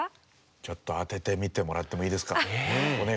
ちょっと当ててみてもらってもいいですか？